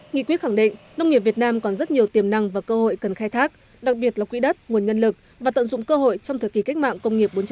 nghị quyết khẳng định nông nghiệp việt nam còn rất nhiều tiềm năng và cơ hội cần khai thác đặc biệt là quỹ đất nguồn nhân lực và tận dụng cơ hội trong thời kỳ cách mạng công nghiệp bốn